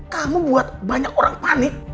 kamu buat banyak orang panik